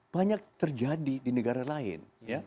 banyak terjadi di negara lain